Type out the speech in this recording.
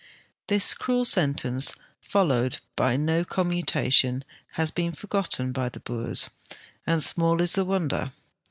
This cruel sentence, followed by no com mutation, has never been forgotten by the Boers, and small is the wonder.